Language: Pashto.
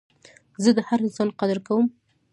زه د هر انسان قدر کوم.